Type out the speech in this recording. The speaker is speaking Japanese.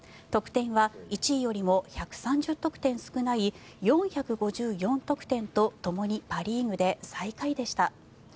得点は１位よりも１３０得点少ない４５４得点と、ともにパ・リーグで最下位でした。